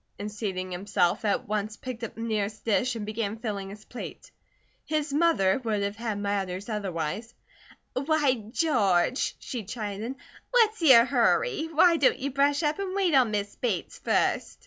and seating himself, at once picked up the nearest dish and began filling his plate. His mother would have had matters otherwise. "Why, George," she chided. "What's your hurry? Why don't you brush up and wait on Miss Bates first?"